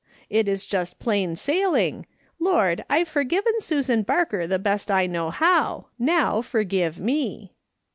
It is just plain sailing: 'Lord, I've forgiven Susan Barker the best I know how ; now forgive me.'